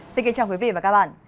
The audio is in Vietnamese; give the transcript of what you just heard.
xin kính chào quý vị và các bạn